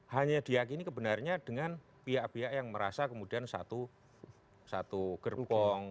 hanya diakini kebenarnya dengan pihak pihak yang merasa kemudian satu gerbong